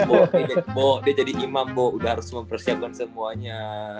udah harus mempersiapkan semuanya